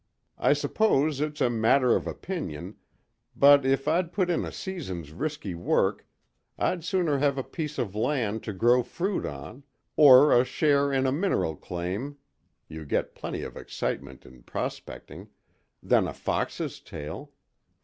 I suppose it's a matter of opinion, but if I'd put in a season's risky work I'd sooner have a piece of land to grow fruit on, or a share in a mineral claim you get plenty of excitement in prospecting than a fox's tail.